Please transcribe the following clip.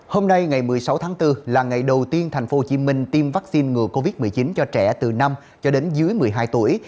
hôm nay ngày một mươi sáu tháng bốn là ngày đầu tiên thành phố hồ chí minh tiêm vaccine ngừa covid một mươi chín cho trẻ từ năm đến một mươi hai tuổi